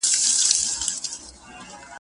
هغه له شپې سره